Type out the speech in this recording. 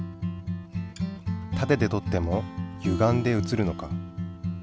たてでとってもゆがんで写るのか？